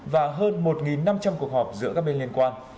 và hơn một năm trăm linh cuộc họp giữa các bên liên quan